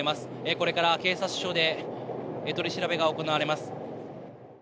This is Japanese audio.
これから警察署で取り調べが行われます。